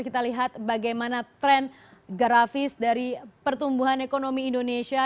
kita lihat bagaimana tren grafis dari pertumbuhan ekonomi indonesia